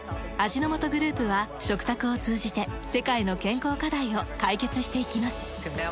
味の素グループは食卓を通じて世界の健康課題を解決していきます。